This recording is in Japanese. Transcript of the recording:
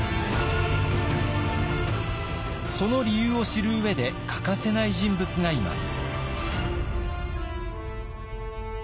その理由を知る上で欠かせない人物がいます。